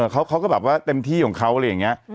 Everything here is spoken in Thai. เขาก็แบบว่าเต็มที่ของเขาอะไรอย่างนี้